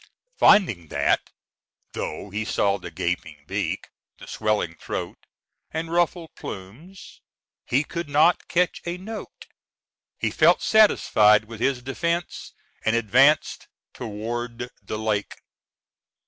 Finding that, though he saw the gaping beak, the swelling throat, and ruffled plumes, he could not catch a note, he felt satisfied with his defence, and advanced toward the lake.